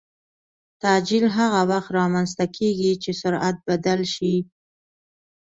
تعجیل هغه وخت رامنځته کېږي چې سرعت بدل شي.